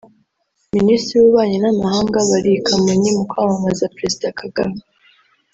Minisitiri w'Ububanyi n'Amahanga bari i Kamonyi mu kwamamaza Perezida Kagame